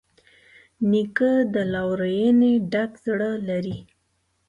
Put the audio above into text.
نیکه د لورینې ډک زړه لري.